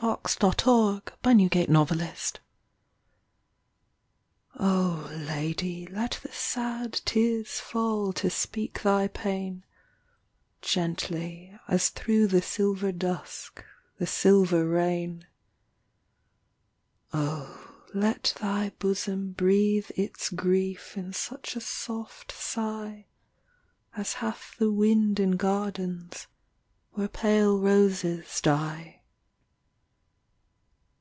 66 OH, LADY, LET THE SAD TEARS FALL Oh, Lady, let the sad tears fall To speak thy pain, Gently as through the silver dusk The silver rain. Oh, let thy bosom breathe its grief In such a soft sigh As hath the wind in gardens where Pale roses die.